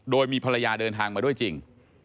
โดยมีภรรยาเดินทางมาด้วยจริง